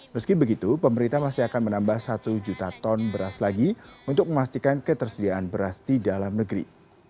meski begitu pemerintah masih akan menambah satu juta ton beras lagi untuk memastikan ketersediaan beras di dalam negeri